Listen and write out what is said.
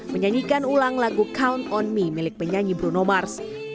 menyanyikan ulang lagu count on me milik penyanyi bruno mars